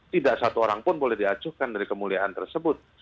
tidak satu orang pun boleh diacuhkan dari kemuliaan tersebut